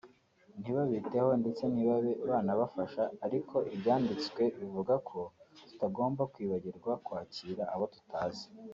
ntibabiteho ndetse ntibabe banabafasha ariko ibyanditswe bivuga ko tutagomba kwibagirwa kwakira abo tutazi